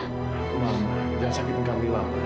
mah jangan sakitkan mila mah